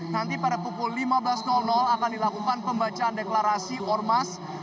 nanti pada pukul lima belas akan dilakukan pembacaan deklarasi ormas